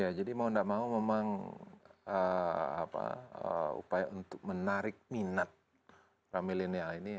ya jadi mau nggak mau memang upaya untuk menarik minat para milenial ini